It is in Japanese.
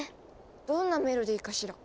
どんなメロディーかしら。